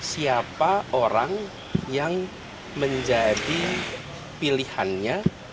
siapa orang yang menjadi pilihannya